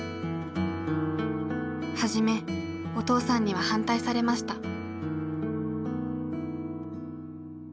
はじめお父さんには反対されました。